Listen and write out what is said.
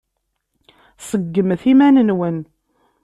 Seggmet iman-nwen.